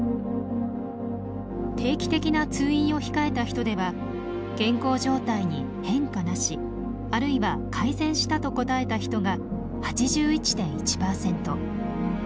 定期的な通院を控えた人では健康状態に変化なしあるいは改善したと答えた人が８１．１％。